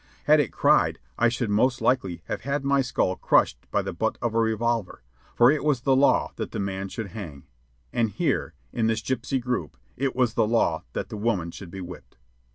Had it cried, I should most likely have had my skull crushed by the butt of a revolver, for it was the law that the man should hang. And here, in this gypsy group, it was the law that the woman should be whipped.